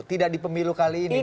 tidak di pemilu kali ini bang patra